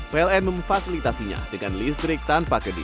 pln memfasilitasinya dengan listrik tanpa kediri